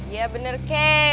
iya bener kei